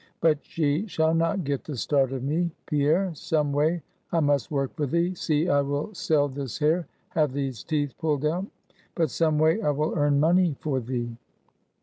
But she shall not get the start of me! Pierre, some way I must work for thee! See, I will sell this hair; have these teeth pulled out; but some way I will earn money for thee!"